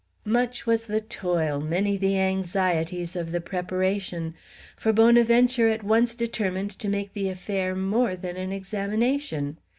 Much was the toil, many the anxieties, of the preparation. For Bonaventure at once determined to make the affair more than an examination.